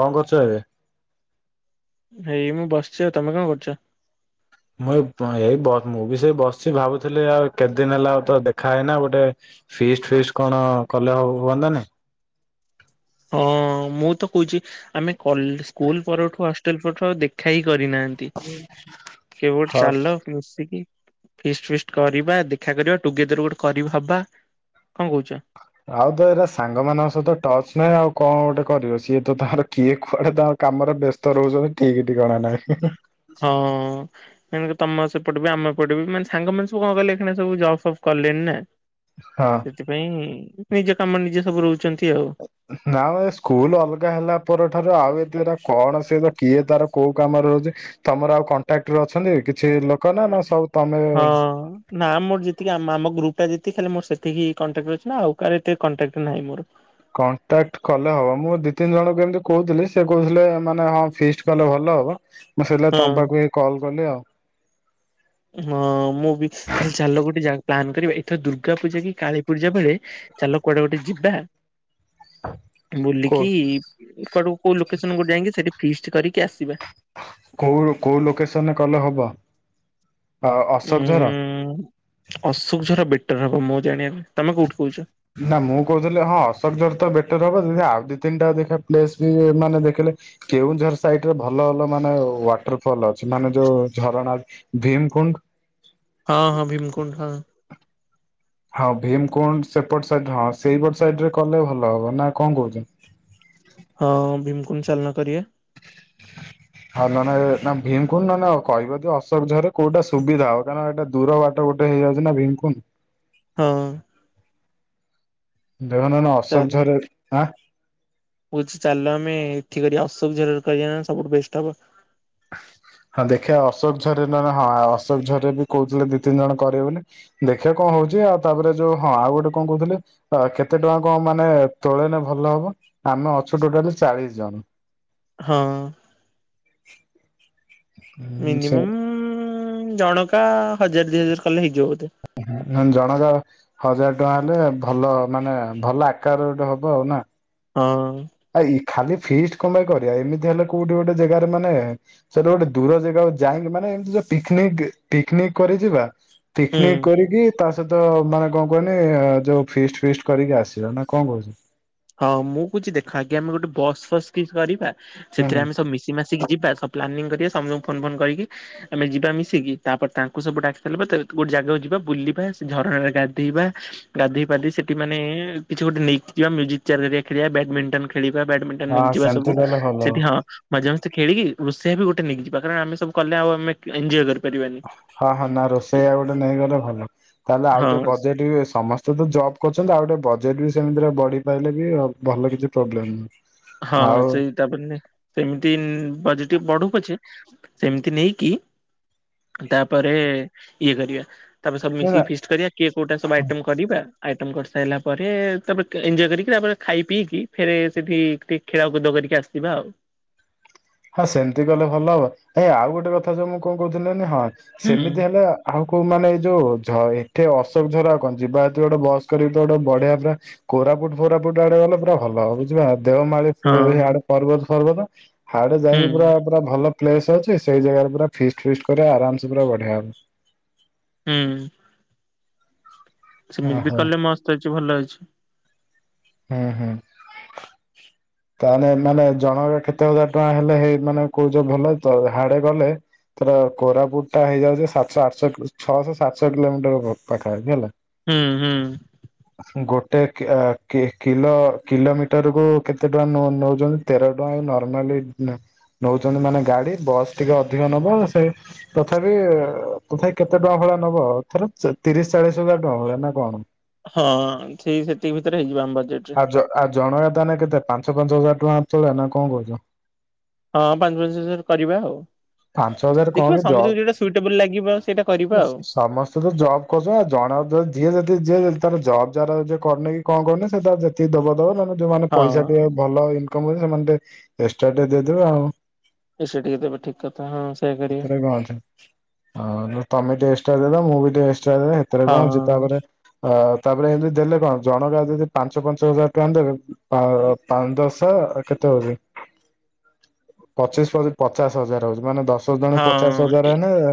କଣ କରୁଛ ଏବେ? ଏଇ ମୁଁ ବସିଛି ଆଉ ତମେ କଣ କରୁଛ? ମୁଇ ଏ ଏଇ ମୁଁ ବି ସେଇ ବସିଛି ଭାବୁଥିଲି ଆଉ କେତେ ଦିନ ହେଲା ଆଉ ତ ଦେଖା ହେଇନା ଗୋଟେ ଫିସି ଫିସି କଣ କଲେ ହୁ ହବ ନାଁ ନାଇଁ? ହଁ ମୁଁ ତ କହୁଛି ଆମେ କଲେ ସ୍କୁଲ ପରଠୁ ହଷ୍ଟେଲ ପରଠୁ ଦେଖା ହିଁ କରିନା। ଟି କେବେ ଗୋଟେ ହଁ ଚାଲ ମିଶିକି ଫିଷ୍ଟି ଫିଷ୍ଟି କରିବା ଦେଖା କରିବା ଟୁଗେଦର ଗୋଟେ କରି ହବା। କଣ କହୁଛ? ଆଉ ତ ଏରା ସାଙ୍ଗମାନଙ୍କ ସହିତ ଟଚ ନାହିଁ ଆଉ କଣ ଗୋଟେ କରିବ ସିଏ ତ ତାହାର କିଏ କୁଆଡେ ତା କାମରେ ବ୍ୟସ୍ତ ରହୁଛ ଠିକ୍ ଠିକଣା ନାହିଁ। ହଁ। ମାନ ତମ ସେ ପଟିବି ଆମେ ପଟେଇ ବି ମାନ ସାଙ୍ଗମାନୋନ ସବୁ କଣ କଲେ ଏ ସବୁ ଜବ୍ଫ୍ କଲେଣି ନା ହଁ। ସେଥିପାଇଁ ନିଜ କାମ ନିଜେ ସବୁ ରହୁଛନ୍ତି ଆଉ, ନାମ ଏ ସ୍କୁଲ ଅଲଗା ହେଲା ପର ଠାରୁ ଆଉ କଣ କିଏ ତାର କୋଉ କାମ ରେ ରହୁଛି ତମର ଆଉ କଣ୍ଟାକ୍ଟରେ ଅଛନ୍ତି କିଛି ଲୋକ ନା ନା ସବୁ ତମେ ହଁ। ନା ମୋର ଯେତିକି ଆମ ଆମ ଗ୍ରୁପ୍ ଟା ଯେତିକି ଖାଲି ମୋ ସେତିକି କଟାକ୍ଟ ରେ ଅଛନ୍ତି ଆଉ କାହାର ଏତେ କଣ୍ଟାକ୍ଟ ନାହିଁ ମୋର। କଣ୍ଟାକ୍ଟ କଲେ ହବ ମୁଁ ଦି ତିନି ଜଣଙ୍କୁ ଏମିତି କହୁଥିଲି ସେ କହୁଥିଲେ ଏ ମାନେ ହଁ ଫିଷ୍ଟ କଲେ ଭଲ ହବ। ମୁଁ ସେଇଲାଗି ହଁ। ତମ ପାଖକୁ ଏଇ କଲ୍ କଲି ଆଉ। ହଁ ମୁଁ ବି ତାହେଲେ ଚାଲ ଗୋଟେ ଜା ପ୍ଲାନ୍ କରିବା ଏଥର ଦୁର୍ଗା ପୂଜା କି କାଳୀ ପୂଜା ବେଳେ ଚାଲ କୁଆଡେ ଗୋଟେ ଯିବା କୋ ବୁଲିକି କୁଆଡୁ କୋଉ ଲୋକେସନ ଯାଇକି ସେଠି ଫିଷ୍ଟି କରିକି ଆସିବା। କୋଉଲୁ କୋଉ ଲୋକେସନରେ କଲେ ହବ। ଆଉ ଅଶୋକଝର ଉଁ ଅଶୋକ ଝର ବେଟର ହବ ମୁଁ ଜାଣିବା ତମେ କୋଉଠି କହୁଛ? ନା ମୁଁ କହୁଥିଲି ହଁ ଅଶୋକ ଝର ତ ବେଟର ହବ ଆଉ ଦି ତିନିଟା ଦେଖ ପେଲେସ ବି ମାନେ ଦେଖିଲେ କେଉଁଝର ସାଇଟ୍ ରେ ଭଲ ଭଲ ମାନେ ୱାଟର ଫଲ୍ ଅଛି ମାନେ ଯୋଉ ଝରଣା। ଭୀମକୁଣ୍ଡ ହଁ ହଁ ଭିମକୁଣ୍ଠ ହ। ହଁ ଭୀମ କଣ୍ଡ ସେପଟ ସାଇ ହଁ ସେଇପଟ ସାଇଡ ରେ କଲେ ଭଲ ହବ ନା କଣ କହୁଛ? ହଁ ଭିମକୁଣ୍ଡ ଚାଲନା କରି ହ ହଉ ନ ନା ଭୀମ ଖୁଣ୍ଡ ନ କିବି ଅଶୋକ ଝରରେ କୋଉଟା ସୁବିଧା ହ କାକ ଏଇଟ ଦୂର ବାଟ। ସେଇଟା ଗୋଟେ ହେଇଯାଉଛି ନାଁ ଭୀମକୁଣ୍ଡ। ହଁ। ଦେହନନ ଅଶୋକ ଚାଲ ଝରଁ କହୁଛି ଚାଲ ଆମେ ଏଠି କରିବା ଅସୁବିଧା ରେ କରିବାନି ସବୁଠୁ ବେଷ୍ଟ୍ ହବ। ହଁ ଦେଖିବା ଅଶୋକ ଝରରେ ନାଁ ନାଁ ହଁ ଅଶୋକ ଝରରେ ବି କହୁଥିଲେ ଦି ତିନି ଜଣ କରିବେ ବୋଲି। ଦେଖିବା କଣ ହଉଛି ଆଉ ତାପରେ ଯୋଉ ହଁ ଆଉ ଗୋଟେ କଣ କହୁଥିଲେ? ତ କେତେ ଟଙ୍କା କଣ ମାନେ ତୁଳନାରେ ଭଲ ହବ ଆମେ ଅଛୁ ଟୋଟାଲି ଚାଳିଶ ଜଣ। ହଁ। ଉଁ ସେ ମିନିମମ୍ ଜଣକା ହଜାର ଦି ହଜାର କଲେ ହେଇଯିବ ବୋଧେ? ହ ଜଣକା ହଜାର ଟଙ୍କା ହେଲେ ଭଲ ମାନେ ଭଲ ଆକାରରେ ଗୋଟେ ହବ ଆଉ ନା? ହଁ। ଇ ଖାଲି ଫିଷ୍ଟ କାଇ କରିବା ଏମିତି ହେଲେ କୋଉଠି ଗୋଟେ ଜାଗାରେ ମାନେ ସେଇଠି ଗୋଟେ ଦୂର ଜାଗାକୁ ଯାଇକି ମାନେ ଏମତି ଯଉ ପିକନିକ୍ ପିକନିକ୍ କରି ଯିବା, ହୁଁ। ପିକନିକ୍ କରିକି ତା ସହିତ ମାନେ କଣ କହନି ଯୋଉ ଫିଷ୍ଟ ଫିଷ୍ଟ କରିକି ଆସିବା ନା କଣ କହୁଛ? ହଁ ମୁଁ କହୁଛି ଦେଖ ଆଗେ ଆମେ ଗୋଟେ ବସ୍ ଫସ୍ କିଛି କରିବା ହୁଁ ହୁଁ। ସେଥିରେ ଆମେ ସବୁ ମିଶ ମିଶି ମାସିକି ଯିବା ସବ ପ୍ଲାନିଙ୍ଗ କରିବା ସମ୍ ଫୋନ ଫୋନ କରିକି, ଆମେ ଯିବା ମିଶିକି ତାପରେ ତାଙ୍କୁ ସବୁ ଡାକି ସାରିଲା ପରେ ଗୋଟେ ଜାଗାକୁ ଯିବା ବୁଲିବା ଝରଣାରେ ଗାଧେଇବା ଗାଧୋଇ ପାଧି ସେଠି ମାନେ କିଛି ଗୋଟେ ନେଇକ ଯିବା ମିଉଜିକ୍ ଚେୟାର କରିବା ଖେଳିବା ବ୍ୟାଡମିଣ୍ଟନ ଖେଳିବା ବ୍ୟାଡମି ସେଟା ନେଇକି ହଁ ଯିବା ସେମିତି ସବୁ କଲେ ଭଲ ସେଠି ହଁ ମଜା ମସ୍ତି ଖେଲିକି ରୋଷେଇଆ ବି ଗୋଟେ ନେଇକିଯିବା କାରଣ ଆମେ ସବୁ କଲେ ଆଉ ଆମେ ଏଞଜୟ କରି ହଁ ହଁ ନା ରୋଷେଇ ଆଉ ଗୋଟେ ନେଇ ଗଲେ ଭଲ ତାହେଲେ ଆଉ ହଁ ଟିକେ ବଜେଟ ବି ସମସ୍ତେ ତ ଜବ୍ କରୁଛନ୍ତି ଆଉ ଗୋଟେ ବଜେଟ୍ ବି ସେମିତିରେ ବଢ଼ିପାରିଲେ ବି ଆଉ ଭଲ କିଛି ପ୍ରୋବ୍ଲେମ୍ ନାହିଁ। ହଁ ସେଇ ତାପରେ ସେମିତି ବଜେଟ୍ ଟିକେ ବଡୁ ପଛେ ସେମିତି ନେଇକି ତାପରେ ଇଏ କରିବା ତାପରେ ସବୁ ନା ନା ମିଶିକି ଫିଷ୍ଟ କରିବା କିଏ କୋଉଟା ଗୋଟେ ସବୁ ଆଇଟମ୍ କରିବା ଆଇଟମ କରିସାରିଲା ପରେ ତାପରେ ଏଜୟ କରିକି ତାପରେ ଖାଇ ପିଇକି ଫେରେ ସେଠି ଟିକେ ଖେଳକୁଦ କରିକି ଆସିବା ଆଉ। ହଁ ସେମିତି କଲେ ଭଲ ହବ ଏଇ ଆଉ ଗୋଟେ କଥା ଯଉ ମୁଁ କଣ କହୁଥିଲିନି ହଁ ହୁଁ ସେମିତି ହେଲେ ଆଉ କୋଉ ମାନେଇ ଯୋଉ ଏଠି ଅଶୋକଝର କଣ ଯିବା ଆସିବା ଗୋଟେ ବସ କରିବ ତ ଗୋଟେ ବଢିଆ ପ୍ଲାନ୍ କୋରାପୁଟ ଫୋରାଫୁଟ ଆଡେ ଗଲେ ପୁରା ଭଲ ହବ ବୁଝିିବା ଦେଓମାଳି ହୁ ହଁ ପର୍ବତ ଫରବତ ହାଡେ ହୁଁ ଯାଇକି ପୁରା ପୁରା ଭଲ ପ୍ଲେସ ଅଛି ସେଇ ଜାଗାରେ ପୁରା ଫିଷ୍ଟ୍ ଫିଷ୍ଟ କରିବା ଆରାମ ସେ ପୁରା ବଢିଆ ହବ। ହୁଁ। ସେମିତି ବି ଓହୋ। କଲେ ମସ୍ତ ଅଛି ଭଲ ଅଛି। ହଁ ହୁଁ। ତା ହେଲେ ଏ ମାନେ ଜଣକା କେତେ ହଜାର ଟଙ୍କା ହେଲେ ହେଇ ମାନେ କହୁଛ ଭଲ ତ ହାଡେ ଗଲେ ତର କୋରାପୁଟ ଟା ହେଇଯାଉଛି ସାତଶହ ଆଠ ଛଅଶହ ସାତଶହ କିଲୋମିଟର ପାଖାପାଖି ହେଲା। ହୁଁ ହୁଁ। ଗୋଟେ କେ କି କିଲୋ କିଲୋମିଟର କୁ କେତେ ଟଙ୍କା ନଉ ନଉଛନ୍ତି? ତେର ଟଙ୍କା ଏଇ ନର୍ମାଲି ନଉଛନ୍ତି, ମାନେ ଗାଡି ବସ୍ ଟିକେ ଅଧିକ ନବ। ସେ ତଥାପି ତଥାପି କେତେ ଟଙ୍କା ଭଳିଆ ନବ, ଥର ତିରିଶ ଚାଳିଶ ହଜାର ଟଙ୍କା ଭଳିଆ ନା କଣ? ହଁ ଠିକ୍ ସେତିକି ଭିତରେ ହେଇଯିବ ଆମ ବଜେଟ୍। ଜ ଆ ଜଣକା ତାହେଲେ କେତେ, ପାଞ୍ଚ ପାଞ୍ଚ ହଜାର ଟଙ୍କା [unintelligible] ନା କଣ କହୁଛ? ହଁ ପାଞ୍ଚ ପାଞ୍ଚ ହଜାର କରିବା ଆଉ। ପାଞ୍ଚ ହଜାର କଣ ଦେଖିବା କି ଜ ସମସ୍ତଙ୍କୁ ଯୋଉଟା ସୁଇଟେବଲ୍ ଲାଗିବ, ସେଇଟା କରିବା ଆଉ। ସମସ୍ତେ ତ ଜବ୍ କରୁଛନ୍ତି ଆଉ, ଜଣ ଯିଏ ଯଦି ଯିଏ ଯ ତାର ଜବ୍ ଯାର ଯିଏ କରନେଇ କି କଣ କରୁନେଇ ସେ ତାର ଯେତିକି ଦବ ଦବ, ନହେଲେ ଯୋଉମାନେ ପଇସା ହଁ ଟିକେ ଭଲ ଇନକମ୍, [unintelligible] ସେମାନେ ଟିକେ ଏକ୍ସଟ୍ରା ଟିକେ ଦେଇଦେବେ ଆଉ। ଏ ସେତିକି ଦେବେ ଠିକ୍। [unintelligible] ହଁ ସେ [unintelligible] ସେଥିରେ କଣ ଅଛି, ନହେଲେ ତମେ ଟିକେ ଏକ୍ସଟ୍ରା ଦେଇଦବ ମୁଁ ବି ଟିକେ ଏକ୍ସଟ୍ରା ଦେଇଦେବି। ସିତେରେ କଣ ଅଛି, ହଁ ତାପରେ ଅ ତାପରେ ଏମିତି ଦେଲେ କଣ ଜଣଗା ଯଦି ପାଞ୍ଚ ପାଞ୍ଚ ହଜାର ଟଙ୍କା ଦେବେ ପା ପାଞ୍ଚ ଦଶ କେତେ ହଉଛି, ପଚିଶ ପଚିଶ ପଚାଶ ହଜାର ହଉଛି ମାନେ ଦଶ ଜଣଙ୍କୁ ପଚାଶ ହଁ ହଜାର ଏ ହେଲେ,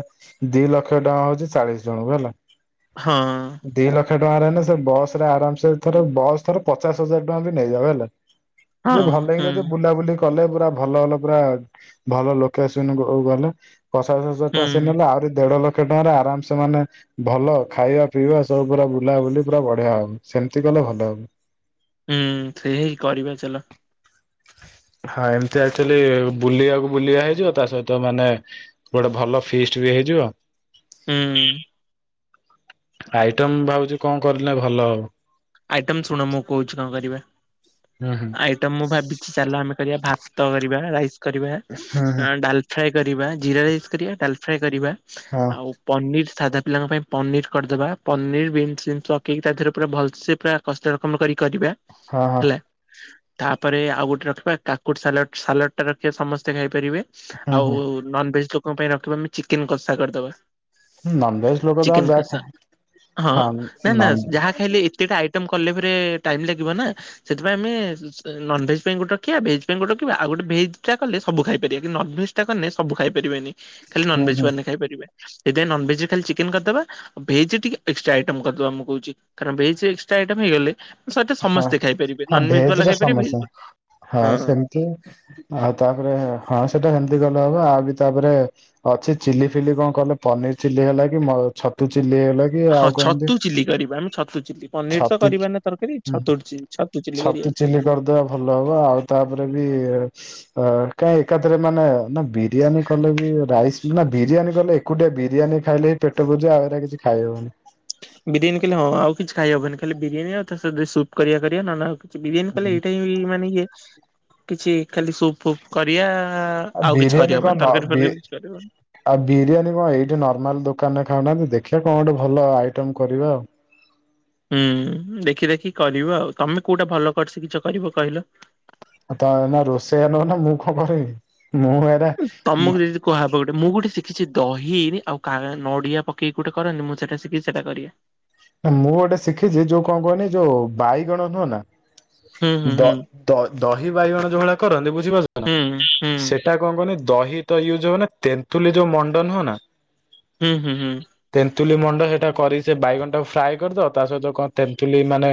ଦି ଲକ୍ଷ ଟଙ୍କା ହଉଛି ଚାଳିଶ ଜଣଙ୍କୁ ହେଲା। ହଁ। ଦି ଲକ୍ଷ ଟଙ୍କାରେ ହେଲେ ସେ ବସ୍ ରେ ଆରାମ ସେ, ଧର ବସ୍ ଧର ପଚାଶ ହଜାର ଟଙ୍କା ବି ନେଇଯାଉ ହେଲା। ହଁ ସେ ଭଲକି ହୁଁ ଯଦି ବୁଲାବୁଲି କଲେ ପୁରା ଭଲ ଭଲ ପୁରା ଭଲ ଲୋ କେସନ୍ କୁ ଗଲ, ପଚାଶ ହଜାର ହୁଁ ଟଙ୍କା ସେ ନେଲେ। ଆହୁରି ଦେଢ ଲକ୍ଷ ଟଙ୍କାରେ ଆରାମସେ ମାନେ ଭଲ ଖାଇବା ପିଇବା ସବୁ ପୁରା ବୁଲାବୁଲି ପୁରା ବଢିଆ ହବ, ସେମିତି କଲେ ଭଲ ହବ। ହୁଁ ସେୟା ହିଁ କରିବା ଚାଲ। ହଁ ଏମିତି ଆକ୍ଚୁଲି ବୁଲିବାକୁ ବୁଲିବା ହେଇଯିବ, ତା ସହିତ ମାନେ ଗୋଟେ ଭଲ ଫିଷ୍ଟ ବି ହେଇଯିବ। ହୁଁ। ଆଇଟମ୍ ଭାବୁଛି କଣ କରିଲେ ଭଲ ହବ? ଆଇଟମ୍, ଶୁଣ ମୁଁ କହୁଛି କଣ କରିବା? ହୁଁ- ହୁଁ। ଆଇଟମ୍ ମୁଁ ଭାବିଛି, ଚାଲ ଆମେ କରିବା ଭାତ କରିବା, ରାଇସ୍ କରିବା, ହୁଁ ହୁଁ ଡାଲ ଫ୍ରାଏ କରିବା, ଜିରା ରାଇସ୍ କରିବା, ଡାଲ ଫ୍ରାଏ କରିବା, ହଁ ଆଉ ପନିର୍ ସାଧା ପିଲାଙ୍କ ପାଇଁ ପନିର୍ କରିଦେବା, ପନିର୍ ବିନ୍ସ ଫିନ୍ସ ପକେଇକି ତାଦେହରେ ପୁରା ଭଲସେ ପୁରା କଷରକମ କରି କରିବା ହଁ ହଁ ହେଲା। ତାପରେ ଆଉ ଗୋଟେ ରଖିବା କାକୁଡ ସାଲଟ୍, ସାଲଟ୍ ଟା ରଖିବା ସମସ୍ତେ ଖାଇପାରିବେ। ଆଉ ହୁଁ ନନ୍ ଭେଜ୍ ଲୋକଙ୍କ ପାଇଁ ରଖିବା ଆମେ ଚିକେନ୍ କଷା କରିଦବା। ହୁଁ ନନଭେଜ ଲୋକ ତ ଚିକେନ ଯାହା ଖା କଷା, ହଁ- ନା- ନା ନନ୍ ଯାହା ଖାଇଲେ ଏତେଟା ଆଇ ଟମ୍ କଲେ ଫେରେ ଟାଇମ୍ ଲାଗିବ ନା। ସେଥିପାଇଁ ଆମେ ନନଭେଜ୍ ପାଇଁ ଗୋଟ ରଖିବା, ଭେଜ ପାଇଁ ଗୋଟ ରଖିବା। ଆଉ ଗୋଟେ ଭେଜ୍ ଟା କଲେ ସବୁ ଖାଇପାରିବା ନନଭେଜ୍ ଟା କଲେ ସବୁ ଖାଇପାରିବେନି, ଖାଲି ହୁଁ ନନଭେଜ୍ ହୁଁ ମାନେ ଖାଇପାରିବେ। ସେଇଥିପାଇଁ ନନଭେଜ୍ ରେ ଖାଲି ଚିକେନ୍ କରିଦବା। ଭେଜ୍ ରେ ଟିକେ ଏକ୍ସ୍ ଟ୍ରା ଆଇଟମ୍ କରିଦବା ମୁଁ କହୁଛି, କାରଣ ଭେଜ୍ ରେ ଟା ଆଇଟମ୍ ହେଇଗଲେ ସେଇଟା ହଁ ସମସ୍ତେ ଖାଇପାରିବେ, ହଁ ନନ୍ଭେଜ ଭେଜ ବାଲା ରେ ଖାଇପାରିବେ ଭେଜ ସମସ୍ୟା ବାଲା ହଁ। [unintelligible] ଆଉ ତାପରେ ହଁ ସେଟା ସେମିତି କଲେ ହବ, ଆଉ ବି ତାପରେ ଅଛି ଚିଲି ଫିଲି କଣ କଲେ, ପନିର ଚିଲି ହେଇଗଲା କି, ଛତୁ ଚିଲି ହେଲା କି ହଁ ଆଉ କଣ ଏମିତି ଛତୁ ଚିଲି କରିବା, ଆମେ ଛତୁ ଚିଲି। ପନିର୍ ତ କରିବା ନା ତରକାରୀ। ହୁଁ ଛତୁ ଚିଲି ଚିଲି କରିବା। ଛତୁ ଚିଲି କରିଦବା ଭଲ ହବ, ଆଉ ତାପରେ ବି ଅ କାଇଁ ଏକାଥରେ ମାନେ ନା ବିରିୟାନୀ କଲେ ବି, ରାଇସ୍ ନା ବିରିୟାନୀ କଲେ ଏ ଏକୁଟିଆ ବିରିୟାନୀ ଖାଇଲେ ବି ପେଟ ପୁରିଯିବ, ଆଉ ସେଗୁରା କିଛି ଖାଇହବନି। ବିରିୟାନୀ ଖାଇଲେ ହଁ ଆଉ କିଛି ଖାଇହବନି, ଖାଲି ବିରିୟାନୀ ଆଉ ତା ସହିତ ସୁପ୍ କରିଆ କରିଆ ନହେଲେ ଆଉ ସେ ବିରିୟାନୀ କଲେ ଏଇଟା ହି ମାନେ ଇଏ, କିଛି ଖାଲି ସୁପ୍ ଫୁପ୍ କରିଆ ଆଉ କିଛି ବିରିୟାନୀ କଣ କରିହବନି, ନ ତରକାରୀ ବି ଫରକାରୀ କିଛି କରିହବନି। ଆଉ ବିରିୟାନୀ କଣ ଏଇଠି ନର୍ମାଲ ଦୋକାନରେ ଖାଉନାହାନ୍ତି, ଦେଖିବା କଣ ଗୋଟେ ଭଲ ଆଇଟମ କରିବା ଆଉ। ହୁଁ ଦେଖି ଦେଖି କରିବା ଆଉ, ତମେ କୋଉଟା ଭଲ କରି ଶିଖିଛ କରିବ କହିଲ। ଆଉ ତା ନା ରୋଷେଇଆ ନବ ନା ମୁଁ କଣ କରିବି। ଏରା ତମକୁ ଏଇଯୋଉ କୁହାହବ ଗୋଟେ, ମୁଁ ଗୋଟେ ଶିଖିଛି ଦହି ଆଉ ନଡିଆ ପକେଇି ଗୋଟେ କରନ୍ତି ମୁଁ ସେଇଟା ଶିଖିଛି ସେଟା କରିବା। ନା ମୁଁ ଗୋଟେ ଶିଖିଛି ଯୋଉ କଣ କୁହନି ଯୋଉ ବାଇଗଣ ନୁହଁ ନା ହୁଁ ହୁଁ ଦ ହୁଁ ଦ ଦହି ବାଇଗଣ ଯୋଉ ଭଳିଆ କରନ୍ତି ବୁଝିପାରୁଛ ନା, ହୁଁ ସେ ହୁଁ ସେଟା କଣ କହନି ଦହି ତ ୟୁଜ ହୁଏନା ତେନ୍ତୁଲି ଯୋଉ ମଣ୍ଡ ନୁହଁ ନା। ହୁଁ ହୁଁ ହୁଁ। ତେନ୍ତୁଲି ମଣ୍ଡ ସେଇଟା କରି ସେ ବାଇଗଣ ଟାକୁ ଫ୍ରାଏ କରିଦବ, ତା ସହିତ କଣ ତେନ୍ତୁଲି ମାନେ।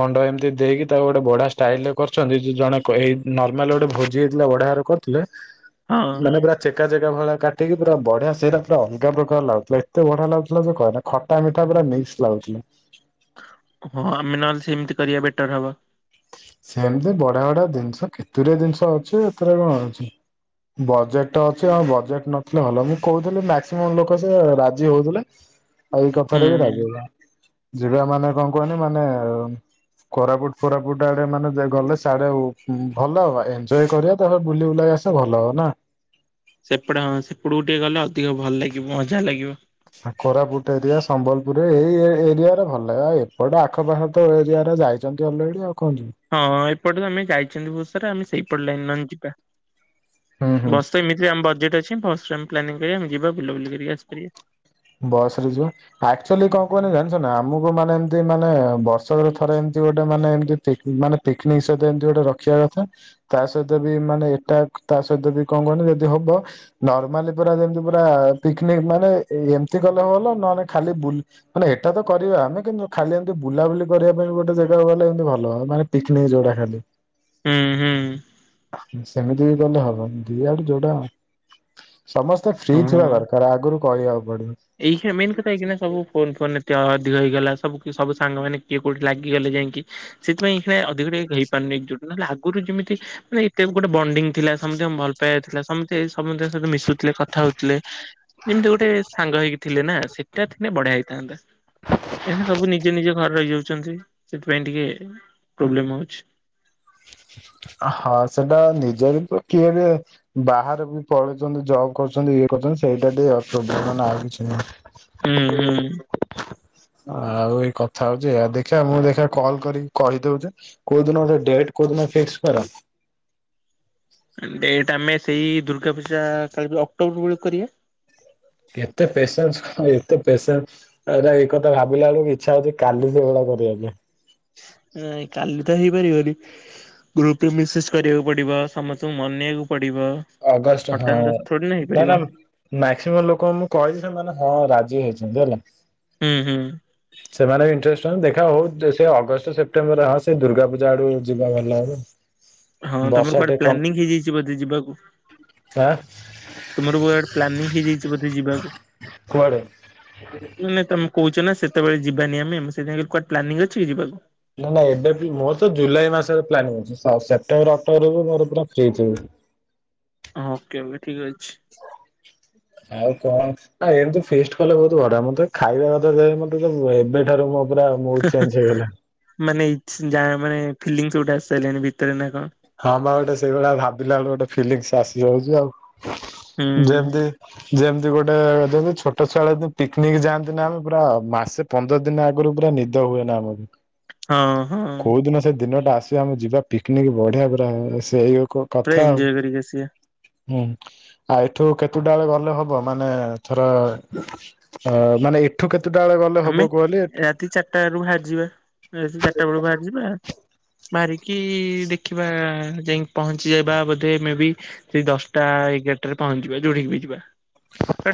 ମଣ୍ଡ ଏମିତି ଦେଇକି ତାକୁ ଗୋଟେ ବଢିଆ ଷ୍ଟାଇଲ୍ ରେ କରୁଛନ୍ତି ଜଣେ ଏଇ ନର୍ମାଲ ଗୋଟେ ଭୋ। ଭୋଜି ହେଇଥିଲା ବଢିଆ ଭାବରେ କରିଥିବେ। [inaudible] ମାନେ ପୁରା ଚେକା ଚେକା ଭଳିଆ କାଟିକି ପୁରା ବଢିଆ ସେଇଟା ପୁରା ଅଲଗା ପ୍ରକାର ଲାଗୁଥିଲା ଏତେ ବଢିଆ ଲାଗୁଥିଲା କହନା। ଖଟା ମିଠା ପୁରା ମିକ୍ସ ଲାଗୁଥିଲା। ହଁ ଆମେ ନହେଲେ ସେମିତି କରିବା ବେଟର ହବ। ସେମିତି ବଢା ବଢା ଜିନିଷ କେତୁରେ ଜିନିଷ ଅଛି, ଏଥିରେ କଣ ଅଛି? ବଜେଟ ଅଛି ଆ ବଜେଟ ନଥିଲେ ଭଲ, ମୁଁ କହୁଥିଲି ମାକ୍ସିମମ୍ ଲୋକ ସେ ରାଜି ହଉଥିଲେ। [inaudible] ଆଉ ଏଇ କଥାରେ ବି ହୁଁ ରାଜିହେଲା, ଯିବା ମାନେ କଣ କୁହନି ମାନେ କୋରାପୁଟ କୋରାପୁଟ ଆଡ଼େ ମାନେ ଗଲେ ସେଆଡ଼େ ଭଲ ଏଞ୍ଜୟ କରିବା ତାପରେ ବୁଲି ବୁଲାକି ଆସିବ ଭଲ ହବ ନା। ସେପଟେ ହଁ ସେପଟକୁ ଟିକେ ଗଲେ ଅଧିକ ଭଲ ଲାଗିବ, ମଜା ଲାଗିବ। ଆ କୋରାପୁଟ ଏରିଆ ସମ୍ବଲପୁର ଏଇ ଏରିଆରେ ଭଲ ଲାଗେ ଆଉ ଏପଟ ଆଖପାଖ ତ ଏରିଆ ରେ ଯାଇ ଚନ୍ତି ଅଲରେଡି ଆଉ କଣ ଯିବେ? ହଁ ଏପଟେ ତ ଆମେ ଯାଇଛନ୍ତି ବହୁତ ସାରା ଆମେ ସେଇପଟେ ଲାଇନ୍ ନହନେ ଯିବା, ହୁଁ ହୁଁ ବସ୍ ତ ଏମିତି ଆମ ବଜେଟ୍ ଅଛି, ପର୍ସଫ୍ରେମ୍ ପ୍ଲାନିଂରେ ଆମେ ଯିବା ବୁଲା ବୁଲି କରିକି ଆସିପାରିବା। ବସ୍ ରେ ଯିବା। ଆକ୍ଚୁଆଲି କଣ କୁହନି ଜାଣିଛ ନା ଆମକୁ ମାନେ ଏମିତି ମାନେ ବର୍ଷରେ ଥରେ ଏମିତି ଗୋଟେ ମାନେ ଏମତି ଠିକ୍ ମାନେ ପିକ୍ନିକ ସହିତ ଏମିତି ଗୋଟେ ରଖିବା କଥା। ତା ସହିତ ବି ମାନେ ଏଟା ତା ସହିତ ବି କଣ କହନି ଯଦି ହବ ନର୍ମାଲି ପୁରା ଯେମତି ପୁରା ପିକନିକ୍ ମାନେ ଏମିତି ଗଲେ ଭଲ, ନହନେ ଖାଲି ବୁଲି ମାନେ ଏଇଟା ତ କରିବା, ଆମେ କିନ୍ତୁ ଖାଲି ଏମିତି ବୁଲାବୁଲି କରିବା ପାଇଁ ଗୋଟେ ଜାଗାକୁ ଗଲେ ଏମି ଭଲ, ମାନେ ପିକ୍ନିକ ଯୋଉଟା ଖାଲି। ହୁଁ ହୁଁ। ସେମିତି ବି କଲେ ହବନି, ଦି ଆଡୁ ଯୋଉଟା ସମସ୍ତେ ଫ୍ରି ଥିବା ଦରକାର, ଆଗରୁ କହିବାକୁ ପଡିବ। ଏଇଖିନା ମେନ୍ କଥା ହେଇକିନା ସବୁ ଫୋନ୍ ଫୋନ୍ ଏତେ ଅଧିକ ହେଇଗଲା, ସବୁ ସବୁ ସାଙ୍ଗ ମାନେ କିଏ କୋଉଠି ଲାଗିଗଲେ ଯାଇକି ସେଥିପାଇଁ ଏହିକିନା ଅଧିକ ଟିକେ ହେଇପାରୁନି ଏକ୍ଜୁଟ୍ ନଲେ ଆଗରୁ ଯେମିତି ମାନେ ଏ ଟାଇମ୍ ଗୋଟେ ବଣ୍ଡିଙ୍ଗ ଥିଲା ସମତିଙ୍କ ଭଲ ପାଇବା ଥିଲା ସମସ୍ତେ ସମସ୍ତେଙ୍କ ସହିତ ମିଶୁ ଥିଲେ କଥା ହଉଥିଲେ ଯେମିତି ଗୋଟେ ସାଙ୍ଗ ହେଇକି ଥିଲେ ନା ସେଟା ଥିନେ ବଢିଆ ହେଇଥାନ୍ତା। ଏନା ସବୁ ନିଜେ ନିଜ ଘରେ ରହିଯାଉଛନ୍ତି, ସେଥିପାଇଁ ଟିକେ ପ୍ରୋବ୍ଲେମ ହଉଛି। ହଁ ସେଟା ନିଜର କିଏରେ ବାହାରେ ବି ପଳେଇଛନ୍ତି ଜବ୍ କରୁଛନ୍ତି, ଇଏ କରୁଛନ୍ତି ସେଇଟା ଅସୁବିଧା, ନହେନେ ଆଉ କିଛି ନାହିଁ। ହୁଁ [inaudible] ସେ [inaudible] ହୁଁ ଆଉ ଏଇ କଥା ହଉଚି ଏଆ ଦେଖିବା ମୁଁ ଦେଖିବା କଲ୍ କରିକି କହିଦଉଛି କୋଉ ଦିନ ଗୋଟେ ଡେଟ୍ କୋଉଦିନ ଫିକ୍ସ କର? ଡେଟ୍ ଆମେ ସେଇ ଦୁର୍ଗା ପୂଜା କାଲି ଅକ୍ଟୋବର ବେଳକୁ କରିବା। ଏତେ ପେସେନ୍ସ ଆଉ ଏତେ ପେସେନ୍ସ ଆରେ ଏଇ କଥା ଭାବିଲା ବେଳକୁ ଇଛା ହଉଛି କାଲି ସେଇଭଳିଆ କରିବା ପାଇଁ। ନାଇ କାଲି ତ ହେଇପାରିବନି। ଗ୍ରୁପ ରେ ମେସେଜ କରିବାକୁ ପଡିବ, ସମସ୍ତଙ୍କୁ ମନେଇବାକୁ ପଡିବ। ଅଗଷ୍ଟ ହଁ। ହଠାତ୍ ଦସ୍ତ ଥୋଡି ନା ହେଇପାରିବ ଦେନ୍ ଆମେ ମ୍ୟାକ୍ସିମମ୍ ଲୋକ ମୁଁ କହିଛିି ସେମାନେ ହଁ ରାଜି ହେଇଛନ୍ତି ହେଲା। ହୁଁ, ହୁଁ, ସେମାନେ ବି ଇଣ୍ଟରେଷ୍ଟ ଦେଖା ହଉ ସେ ଅଗଷ୍ଟ ସେପ୍ଟେମ୍ବରରେ ହଁ ସେ ଦୁର୍ଗା ପୂଜା ଆଡୁ ଯିବା ଭଲ ହବ। ହଁ ତମର ବର୍ଷା କୁଆଡେ ଟିକେ କମ୍ ପ୍ଲାନିଂ ହେଇଯାଇଛି ବୋଧେ ଯିବାକୁ? ଆଁ ତୁମର ବୁଆଡେ ପ୍ଲାନିଂ ହେଇଯାଇଛି ବୋଧେ ଯିବାକୁ? [inaudible] ମାନେ ତମେ କହୁଛ ନା ସେତେବେଳେ ଯିବାନି ଆମେ ମୁଁ ସେଥିପାଇଁ କହିଲ କୁଆଡେ ପ୍ଲାନିଂ ଅଛି ଯିବାକୁ। ନାଁ ନା ଏବେ ବି ମୋର ତ ଜୁଲାଇ ମାସରେ ପ୍ଲାନିଂ ଅଛି, ସ ସେପ୍ଟେମ୍ବର ଅକ୍ଟୋବରକୁ ମୋର ପୁରା ଫ୍ରି ଥିବି। ଓକେ ଏବେ ଠିକ୍ ଅଛି। ଆଉ କଣ? ଆ ଏମିତି ଫିଷ୍ଟ୍ କଲେ ବହୁତ ବଢିଆ ମତେ ଖାଇବା କଥା ଯେ ମତେ ଏବେଠାରୁ ମୋ ପୁରା ମୁଡ ଚେଞ୍ଜ ହେଇଗଲା। [inaudible] ମାନେ ଇଛ୍ ଯା ମାନେ ଫିଲିଙ୍ଗସ୍ ଗୋଟେ ଆସି ସାଇଲାଣି ଭିତରେ ନା କଣ? ହଁ ପା ଗୋଟେ ସେଇଭଳିଆ ଭାବିଲା ବେଳକୁ ଗୋଟେ ଫିଲଙ୍ଗସ୍ ଆସି ଯାଉଛି ଆଉ ହୁଁ। ଯେମିତି ଯେମିତି ଗୋଟେ ଜେମତି ଛୋଟ ଛୁଆ ବେଳେ ଜେମତି ପିକନିକ ଯାଆନ୍ତି ନା ଆମେ ପୁରା ମାସେ ପନ୍ଦର ଦିନ ଆଗରୁ ପୁରା ନିଦ ହୁଏ ନା ଆମକୁ। ହଁ ହଁ କୋଉ ଦିନ ସେ ଦିନଟା ଆସିବ ଆମେ ଯିବା ପିକନିକ ବଢିଆ ପୁରା ସେଇକୁ ପୁରା କଥା ଆଉ ଏଞ୍ଜୟ କରିକି ଆସିବା। ହୁଁ ଆଉ ଏଠୁ କେତେଟା ବେଳେ ଗଲେ ହବ ମାନେ ଥର ଅ ମାନେ ଏ ଠୁ କେତଟା ବେଳେ ଗଲ୍ ଆମେ ରାତି ଚାରିଟା ରୁ ବାହାରିଯିବା ରାତି ଚାରିଟା ବେଳୁ ବାହାରିଯିବା ମାରିକି ଦେଖିବା ଯାଇଙ୍କି ପହଞ୍ଚି ଯିବା ବୋଧେ ମେ ବି ସେଇ ଦଶଟା ଏଗାରଟା ରେ ପହଞ୍ଚିଯିବ ଯୋଉଠିକି ବି ଯିବା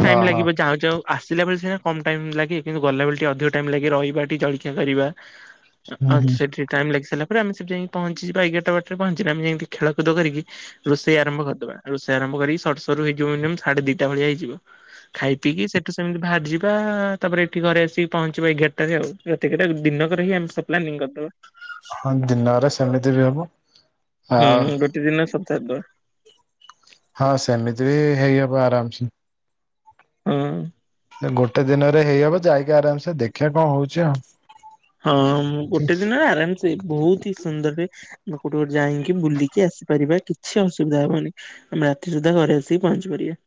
ହଁ ଟାଇମ ହଁ ଲାଗିବ ଯାଉ ଯାଉ ଆସିଲା ବେଳେ ସିନା କମ ଟାଇମ ଲାଗେ କିନ୍ତୁ ଗଲାବେଳେ ଟିକେ ଅଧିକ ଟାଇମ୍ ଲାଗେ ରହିବା ଟିକେ ଜଳଖିଆ କରିବା ହୁଁ ଆଉ ହୁଁ ସେଠି ଟାଇମ୍ ଲାଗି ସାଇଲା ପରେ ଆମେ ସେଠ ଯାଇଙ୍କୀ ପହଞ୍ଚି ଯିବା ଏଗାରଟା ବାଟାରେ ପହଞ୍ଚିବା ଆମେ ଯେମିତି ଖେଳକୁଦ କରିକି ରୋଷେଇ ଆରମ୍ଭ କରିଦବା ରୋଷେଇ ଆରମ୍ଭ କରି ସରୁ ସରୁ ହେଇଯିବ ମିନିମମ୍ ସାଢେ ଦିଟା ଭଳିଆ ହେଇଯିବ ଖାଇ ପିଇକି ସେଠୁ ସେମିତି ବାହାରିଯିବା ତାପରେ ଏଠି ଘରେ ଆସି ପହଞ୍ଚିବା ଏଗାରଟାରେ ଆଉ ରାତି ଏଗାରଟା ଦିନକରେ ହିଁ ଆମେ ସବୁ ପ୍ଲାନିଙ୍ଗ କରିଦବା ହଁ ଦିନରେ ସେମିତି ବି ହବ ହୁଁ ଆଉ ଗୋଟେ ଦିନ ସପ୍ତାଏ ପଏ ହଁ ସେମିତି ବି ହେଇ ହବ ଆରାମସେ ହଁ ଗୋଟେ ଦିନରେ ହେଇ ହବ ଯାଇକି ଆରାମସେ ଦେଖିଆ କଅ ହଉଛି ଆଉ ହଁ ମୁଁ ଗୋଟେ ଦିନ ଆରାମସେ ବହୁତି ସୁନ୍ଦରରେ ଲୋକଟ ଯାଇକି ବୁଲିକି ଆସିପାରିବା କିଛି ଅସୁବିଧା ହବନି ଆମେ ରାତି ସୁଦ୍ଧା ଘରେ ଆସିିକି ପହଞ୍ଚିପାରିବା